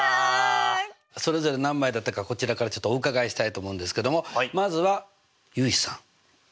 それぞれ何枚だったかこちらからお伺いしたいと思うんですけどもまずは結衣さん。